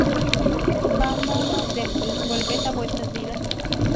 Vámonos de aquí. Volved a vuestras vidas.